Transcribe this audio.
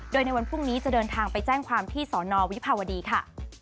โดยในวันพรุ่งนี้จะเดินทางไปแจ้งความที่สอนอวิภาวดีค่ะ